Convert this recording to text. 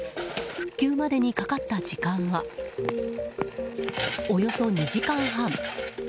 復旧までにかかった時間はおよそ２時間半。